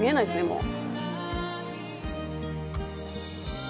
もう。